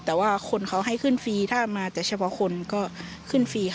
แต่ว่าคนเขาให้ขึ้นฟรีถ้ามาแต่เฉพาะคนก็ขึ้นฟรีค่ะ